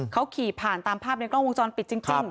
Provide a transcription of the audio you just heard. เขาขี่ผ่านตามภาพในกล้องวงจรปิดจริง